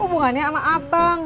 trus penggurung ke dam resemble ka